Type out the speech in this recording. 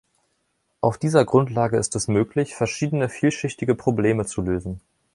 Auf dieser Grundlage ist es möglich, verschiedene vielschichtige Probleme zu lösen.